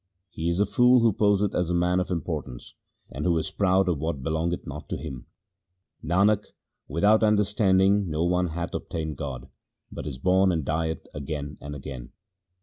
He is a fool who poseth as a man of importance, and who is proud of what belongeth not to him. Nanak, without understanding no one hath obtained God, but is born and dieth again and again.